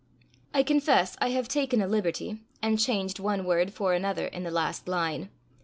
I confess I have taken a liberty, and changed one word for another in the last line.